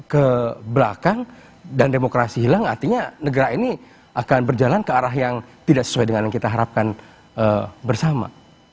ke belakang dan demokrasi hilang artinya negara ini akan berjalan ke arah yang tidak sesuai dengan yang kita harapkan bersama